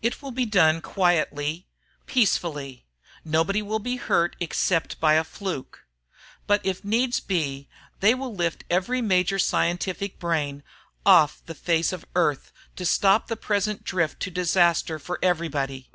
It will be done quietly, peacefully. Nobody will be hurt except by a fluke. But if needs be, they will lift every major scientific brain off the face of Earth to stop the present drift to disaster for everybody.